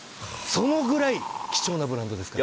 そのぐらい貴重なブランドですから。